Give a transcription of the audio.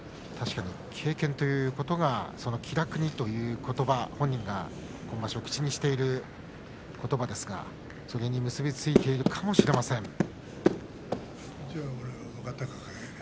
確かに経験ということば気楽にということば本人が今場所口にしていることばですがそれに結び付いているかもしれません。